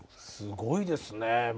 すごいですね。